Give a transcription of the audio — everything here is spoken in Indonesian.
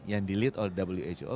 yang di lead oleh who